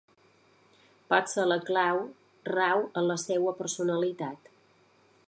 Potser la clau rau en la seua personalitat.